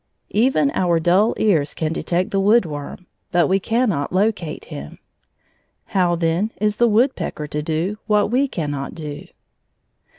Even our dull ears can detect the woodworm, but we cannot locate him. How, then, is the woodpecker to do what we cannot do?